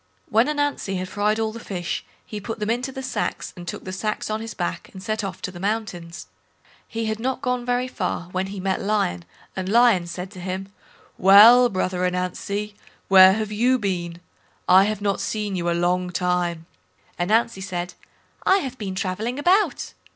When Ananzi had fried all, the fish, he put them into the sacks, and took the sacks on his back and set off to the mountains. He had not gone very far when he met Lion, and Lion said to him": "Well, brother Ananzi, where have you been? I have not seen you a long time." Ananzi said, "I have been travelling about."